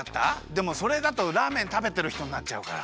でもそれだとラーメンたべてるひとになっちゃうから。